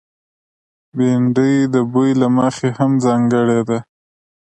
بېنډۍ د بوي له مخې هم ځانګړې ده